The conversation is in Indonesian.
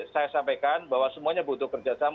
saya sampaikan bahwa semuanya butuh kerjasama